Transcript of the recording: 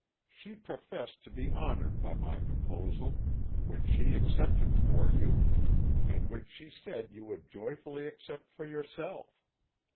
She professed to be honoured by my proposal, which she accepted for you, and which she said you would joyfully accept for yourself.